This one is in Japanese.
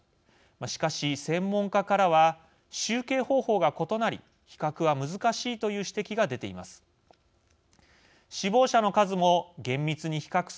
しかし、専門家からは集計方法が異なり比較は難しいという指摘が出ています。